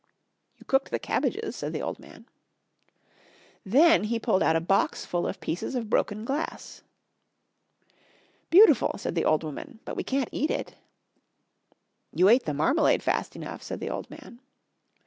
"You cooked the cabbages," said the old man. Then he pulled out a box full of pieces of broken glass. "Beautiful!" said the old woman, "but we can't eat it." "You ate the marmalade fast enough," said the old man.